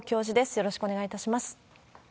よろしくお願いします。